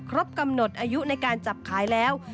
กำหนดอายุในการจับขายแล้ว